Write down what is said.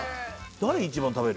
誰一番食べる？